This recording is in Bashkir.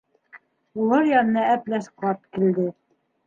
Улар янына Әпләс ҡарт килде.